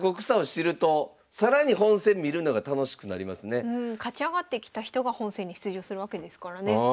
いやこれ勝ち上がってきた人が本戦に出場するわけですからね。